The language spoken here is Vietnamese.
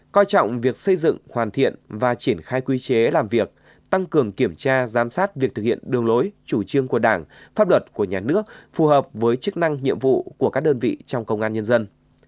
coi trọng việc xây dựng hoàn thiện và triển khai quy chế làm việc tăng cường kiểm tra giám sát việc thực hiện đường lối chủ trương của đảng pháp luật của nhà nước phù hợp với chức năng nhiệm vụ của các đơn vị trong công an nhân dân